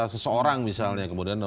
seseorang misalnya kemudian